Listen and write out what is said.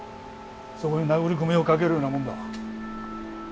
そこに殴り込みをかけるようなもんだ。